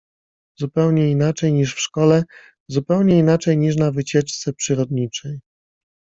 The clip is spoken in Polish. Zupełnie inaczej niż w szkole, zupełnie inaczej niż na wycieczce przyrodniczej.